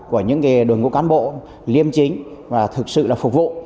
của những đội ngũ cán bộ liêm chính và thực sự là phục vụ